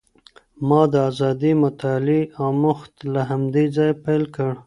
ما د ازادې مطالعې اموخت له همدې ځایه پیل کړ.